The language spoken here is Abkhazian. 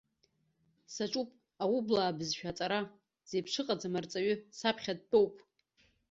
Саҿуп аублаа бызшәа аҵара, зеиԥш ыҟаӡам арҵаҩы саԥхьа дтәоуп.